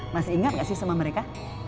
masih ingat gak sih sama mereka